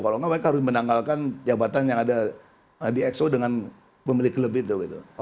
kalau nggak mereka harus menanggalkan jabatan yang ada di exo dengan pemilik klub itu